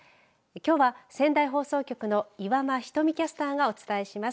きょうは仙台放送局の岩間瞳キャスターがお伝えします。